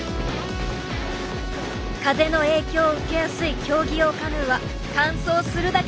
風の影響を受けやすい競技用カヌーは完走するだけでも一苦労。